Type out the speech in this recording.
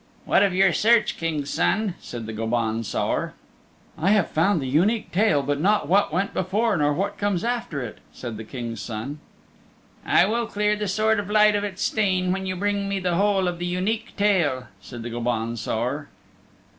"What of your search, King's Son?" said the Gobaun Saor. "I have found the Unique Tale, but not what went before nor what comes after it," said the King's Son. "I will clear the Sword of Light of its stain when you bring me the whole of the Unique Tale," said the Gobaun Saor.